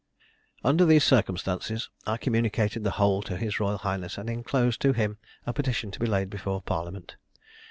"Under these circumstances, I communicated the whole to his royal highness, and enclosed to him a petition to be laid before parliament.